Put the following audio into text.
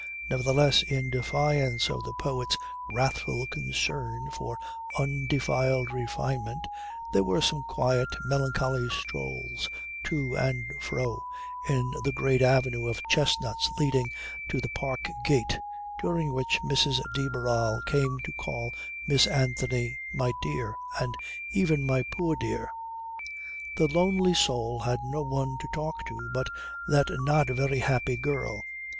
Nevertheless in defiance of the poet's wrathful concern for undefiled refinement there were some quiet, melancholy strolls to and fro in the great avenue of chestnuts leading to the park gate, during which Mrs. de Barral came to call Miss Anthony 'my dear' and even 'my poor dear.' The lonely soul had no one to talk to but that not very happy girl.